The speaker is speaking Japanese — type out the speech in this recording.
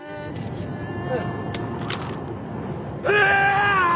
うわ！